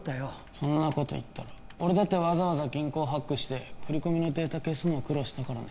そんなこと言ったら俺だってわざわざ銀行ハックして振り込みのデータ消すの苦労したからね